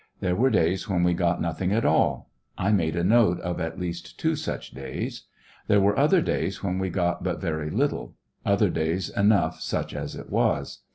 There were days when we got nothing at all ; I made a note ot at least two such days. There were other days when we got but very little ; other days enough, such as it was.